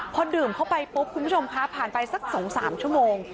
พอดื่มเข้าไปปุ๊บคุณผู้ชมคะผ่านไปสัก๒๓ชั่วโมง